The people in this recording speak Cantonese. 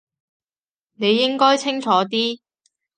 你應該清楚啲